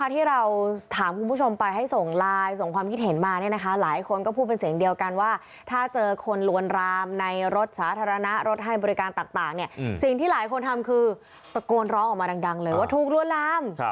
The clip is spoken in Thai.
ที่เราถามคุณผู้ชมไปให้ส่งไลน์ส่งความคิดเห็นมาหลายคนก็พูดเป็นเสียงเดียวกันว่าถ้าเจอคนลวนรามในรถสาธารณะรถให้บริการต่างสิ่งที่หลายคนทำคือตะโกนร้องออกมาดังเลยว่าถูกลวนลาม